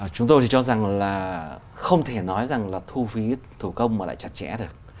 chúng tôi thì cho rằng là không thể nói rằng là thu phí thủ công mà lại chặt chẽ được